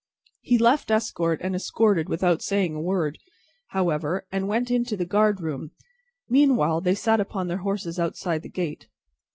He left escort and escorted without saying a word, however, and went into the guard room; meanwhile, they sat upon their horses outside the gate.